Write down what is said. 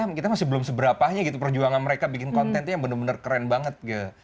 aduh ini kita masih belum seberapanya gitu perjuangan mereka bikin konten itu yang bener bener keren banget